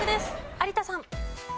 有田さん。